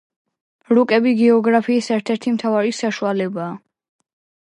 რუკები გეოგრაფიის ერთ-ერთი მთავარი საშუალებაა.